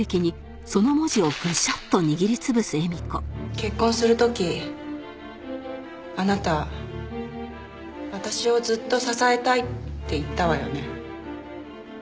結婚する時あなた私をずっと支えたいって言ったわよね？